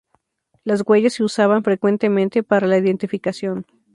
Las huellas se usaban frecuentemente para la identificación.